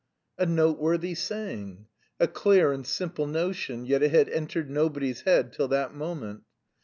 A noteworthy saying! A clear and simple notion, yet it had entered nobody's head till that moment.